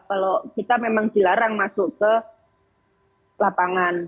kalau kita memang dilarang masuk ke lapangan